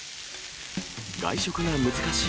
外食が難しい